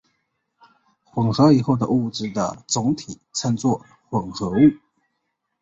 混合以后的物质的总体称作混合物。